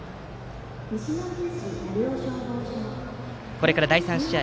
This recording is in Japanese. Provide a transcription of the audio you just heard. これから第３試合。